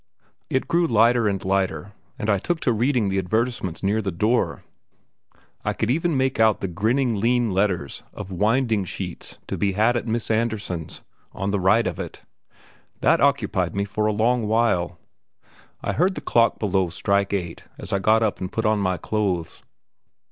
It grew lighter and lighter, and I took to reading the advertisements near the door. I could even make out the grinning lean letters of "winding sheets to be had at Miss Andersen's" on the right of it. That occupied me for a long while. I heard the clock below strike eight as I got up and put on my clothes.